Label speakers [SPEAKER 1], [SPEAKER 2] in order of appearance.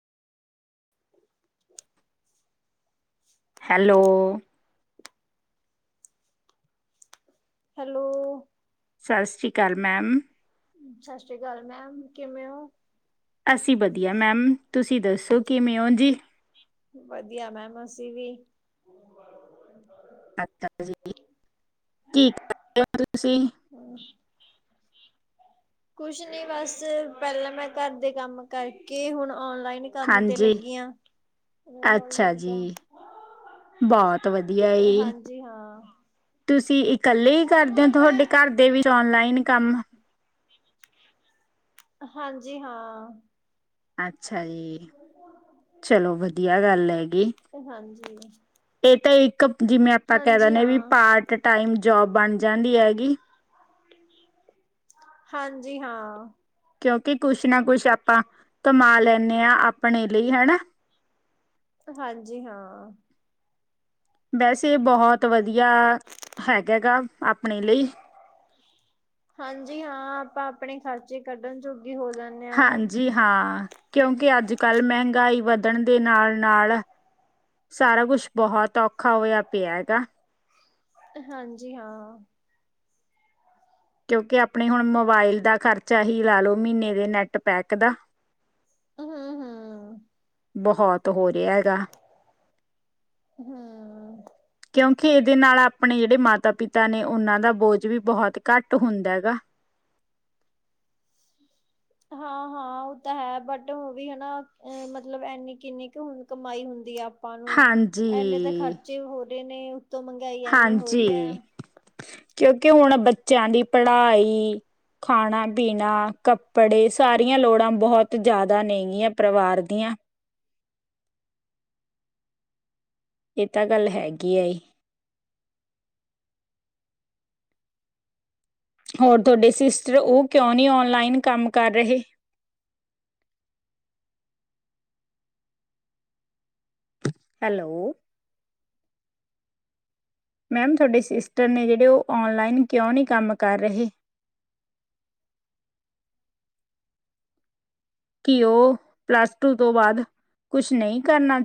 [SPEAKER 1] Hello.
[SPEAKER 2] Hello.
[SPEAKER 1] ਸਤਿ ਸ਼੍ਰੀ ਅਕਾਲ ma'am.
[SPEAKER 2] ਸਤਿ ਸ਼੍ਰੀ ਅਕਾਲ ma'am ਕਿਵੇਂ ਹੋ।
[SPEAKER 1] ਅਸੀਂ ਵਧੀਆ ਮੈਮ ਤੁਸੀਂ ਦੱਸੋ ਕਿਵੇਂ ਓ ਜੀ।
[SPEAKER 2] ਵਧੀਆ ਮੈਂਮ ਅਸੀ ਵੀ।
[SPEAKER 1] [inaudible]
[SPEAKER 2] ਹੂੰ। ਕੁਛ ਨੀ ਬਸ ਪਹਿਲਾਂ ਮੈਂ ਘਰ ਦੇ ਕੰਮ ਕਰਕੇ ਹੁਣ ਆਨਲਾਈਨ ਕੰਮ ਤੇ
[SPEAKER 1] ਹਾਂਜੀ
[SPEAKER 2] ਲੱਗੀਆਂ,
[SPEAKER 1] ਅੱਛਾ ਜੀ ਬਹੁਤ ਵਧੀਆ ਜੀ
[SPEAKER 2] ਹਾਂਜੀ ਹਾਂ।
[SPEAKER 1] ਤੁਸੀਂ ਇੱਕ ਕੱਲੇ ਹੀ ਕਰਦੇ ਹੋ ਤੁਹਾਡੇ ਘਰ ਦੇ ਵੀ ਆਨਲਾਈਨ ਕੰਮ
[SPEAKER 2] ਹਾਂਜੀ ਹਾਂ।
[SPEAKER 1] ਅੱ ਅੱਛਾ ਜੀ, ਚਲੋ ਵਧੀਆ ਗੱਲ ਹੈ ਗੀ
[SPEAKER 2] ਹਾਂਜੀ
[SPEAKER 1] ਇਹ ਤਾਂ ਇ ਜਿਵੇਂ ਆਪਾਂ ਕਹਿ ਦਿੰਨੇ ਵੀ
[SPEAKER 2] ਹਾਂ।
[SPEAKER 1] ਪਾਰਟ ਟਾਈਮ ਜੋਬ ਬਣ ਜਾਂਦੀ ਹੈਗੀ।
[SPEAKER 2] ਹਾਂਜੀ ਹਾਂ।
[SPEAKER 1] ਕਿਉਂਕਿ ਕੁਛ ਨਾ ਕੁਛ ਆਪਾਂ ਕਮਾ ਲੈਂਨੇ ਹਾਂ ਆਪਣੇ ਲਈ ਹਨਾ।
[SPEAKER 2] ਹਾਂਜੀ ਹਾਂ।
[SPEAKER 1] ਵੈਸੇ ਇਹ ਬਹੁਤ ਵਧੀਆ ਹੈਗਾ ਗਾ ਆਪਣੇ ਲਈ।
[SPEAKER 2] ਹਾਂਜੀ ਹਾਂ ਆਪਾਂ ਆਪਣੇ ਖ਼ਰਚੇ ਕੱਢਣ ਜੋ
[SPEAKER 1] ਹਾਂਜੀ ਹਾਂ। ਕਿਉਂਕਿ ਅੱਜ ਕੱਲ੍ਹ ਮਹਿੰਗਾਈ ਵੱਧਣ ਦੇ ਨਾਲ-ਨਾਲ ਸਾਰਾ ਕੁਛ ਬਹੁਤ ਔਖਾ ਹੋਇਆ ਪਿਆ ਹੈਗਾ।
[SPEAKER 2] ਹਾਂਜੀ ਹਾਂ।
[SPEAKER 1] ਕਿਉਂਕਿ ਆਪਣੇ ਹੁਣ ਮੋਬਾਈਲ ਦਾ ਖ਼ਰਚਾ ਹੀ ਲਾ ਲਓ ਮਹੀਨੇ ਦੇ ਨੈੱਟ ਪੈਕ ਦਾ।
[SPEAKER 2] ਹੂੰ ਹੂੰ।
[SPEAKER 1] ਬਹੁਤ ਹੋ ਰਿਹਾ ਗਾ,
[SPEAKER 2] ਹੂੰ।
[SPEAKER 1] ਕਿਉਂ ਖੇ ਇਹਦੇ ਨਾਲ ਆਪਣੇ ਜਿਹੜੇ ਮਾਤਾ ਪਿਤਾ ਨੇ ਉਹਨਾਂ ਦਾ ਬੋਝ ਵੀ ਬਹੁਤ ਘੱਟ ਹੁੰਦਾ ਹੈ ਗਾ।
[SPEAKER 2] ਹਾਂ ਹਾਂ ਉਹ ਤਾਂ ਹੈ ਬਟ ਉਹ ਵੀ ਹਨਾ ਮਤਲਬ ਇੰਨੀ ਇੰਨੀ ਕੁ ਹ ਕਮਾਈ ਹੁੰਦੀ ਆ। ਆਪਾਂ ਨੂੰ, ਇੰਨੇ ਤਾਂ
[SPEAKER 1] ਹਾਂਜੀ
[SPEAKER 2] ਖਰਚੇ ਹੋ ਨੇ ਤੇ ਮਹਿੰਗਾਈ ਐੰਨੀ ਹੋ ਰਹੀ
[SPEAKER 1] ਹਾਂਜੀ
[SPEAKER 2] ਹੈ।
[SPEAKER 1] ਕਿਉਂਕਿ ਹੁਣ ਬੱਚਿਆਂ ਦੀ ਪੜ੍ਹਾਈ ਖਾਣਾ ਪੀਣਾ ਕੱਪੜੇ ਸਾਰੀਆਂ ਲੋੜਾਂ ਬਹੁਤ ਜ਼ਿਆਦਾ ਨੇ ਗੀਆਂ ਪਰਿਵਾਰ ਦੀਆਂ। ਇਹ ਤਾਂ ਗੱਲ ਹੈਗੀ ਆ ਜੀ। ਹੋਰ ਤੁਹਾਡੇ ਸਿਸਟਰ ਉਹ ਕਿਉਂ ਨਹੀਂ ਆਨਲਾਈਨ ਕੰਮ ਕਰ ਰਹੇ। ਹੈਲੋ। ਮੈਮ ਤੁਹਾਡੇ ਸਿਸਟਰ ਨੇ ਜਿਹੜੇ ਉਹ ਆਨਲਾਈਨ ਕਿਉਂ ਨਹੀਂ ਕੰਮ ਕਰ ਰਹੇ, ਕਿ ਉਹ ਪਲੱਸ ਟੂ ਤੋਂ ਬਾਅਦ ਕੁਛ ਨਹੀਂ ਕਰਨਾ